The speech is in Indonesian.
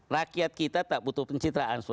rakyat kita tak butuh pencitraan